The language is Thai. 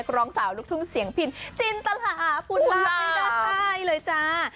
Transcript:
ร้องสาวลูกทุ่งเสียงพินจินตลาพูดเลือกไม่ได้เลยจ้า